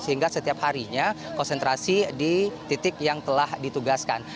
sehingga setiap harinya konsentrasi di titik yang telah ditugaskan